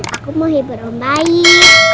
aku mau hebat om baik